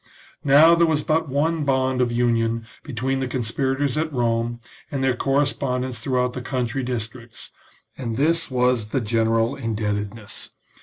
Now there was but one bond of union between the conspirators at Rome and their correspondents throughout the country dis tricts, and this was the general indebtedness.